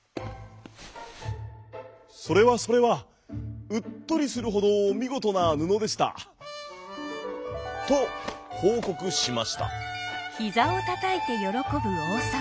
「それはそれはうっとりするほどみごとなぬのでした」。とほうこくしました。